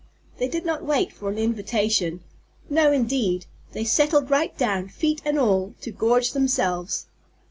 They did not wait for an invitation. No, indeed; they settled right down, feet and all, to gorge themselves.